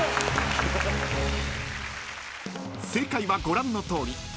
［正解はご覧のとおり］